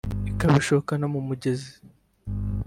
ikabishokana mu mugezi